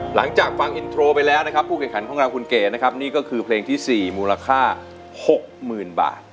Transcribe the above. หลังจากฟังอินโทรไปแล้วนะครับผู้แข่งขันของเราคุณเก๋นะครับนี่ก็คือเพลงที่๔มูลค่า๖๐๐๐บาท